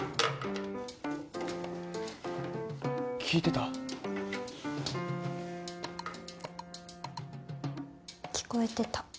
聞いてた？